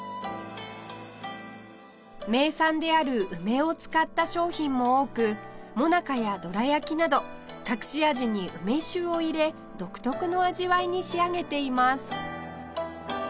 名産である梅を使った商品も多く最中やどら焼きなど隠し味に梅酒を入れ独特の味わいに仕上げています